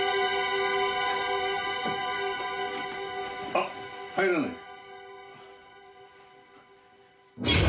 あっ入らないで。